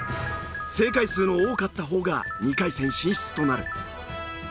正解数の多かった方が２回戦進出となる。